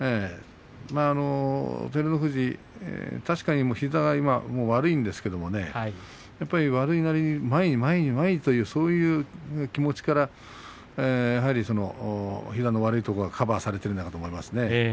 照ノ富士、確かに膝が悪いんですけれど悪いなりに前に前にという気持ちからやはり膝の悪いところがカバーされているんだと思いますね。